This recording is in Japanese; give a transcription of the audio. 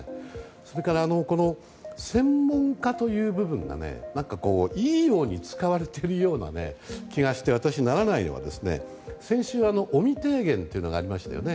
それから、専門家という部分がいいように使われているような気がして私、ならないのは先週、尾身提言というのがありましたよね。